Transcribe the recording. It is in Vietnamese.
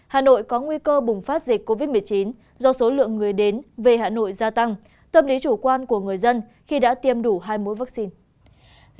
hà nội có nguy cơ bùng phát dịch covid một mươi chín do số lượng người đến về hà nội gia tăng tâm lý chủ quan của người dân khi đã tiêm đủ hai mũi vaccine